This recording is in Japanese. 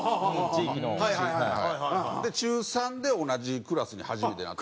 地域の小さい。で中３で同じクラスに初めてなって。